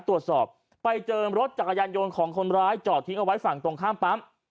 ตรวจสอบไปเจอรถจักรยานยนต์ของคนร้ายจอดทิ้งเอาไว้ฝั่งตรงข้ามปั๊ม